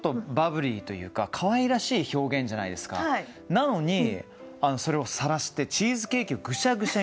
なのにそれをさらしてチーズケーキをぐしゃぐしゃにする。